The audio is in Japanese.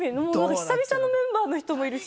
久々のメンバーの人もいるし。